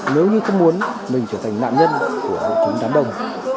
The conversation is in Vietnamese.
nếu như không muốn mình trở thành nạn nhân của hội chứng đám đông